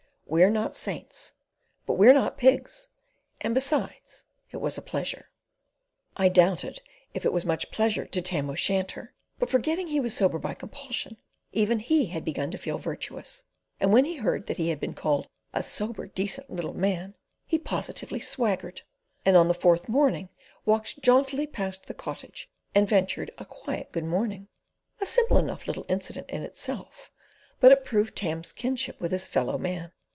We're not saints, but we're not pigs, and, besides, it was a pleasure." I doubted if it was much pleasure to Tam o Shanter; but forgetting he was sober by compulsion, even he had begun to feel virtuous; and when he heard he had been called a "sober, decent little man," he positively swaggered; and on the fourth morning walked jauntily past the Cottage and ventured a quiet good morning—a simple enough little incident in itself; but it proved Tam's kinship with his fellowmen.